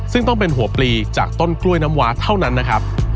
ซึ่งต้องเป็นหัวปลีจากต้นกล้วยน้ำว้าเท่านั้นนะครับ